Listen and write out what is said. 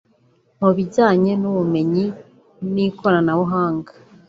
mu bijyanye n’ubumenyi n’ikoranabuhanga